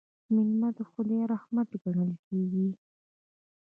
میلمه د خدای رحمت ګڼل کیږي.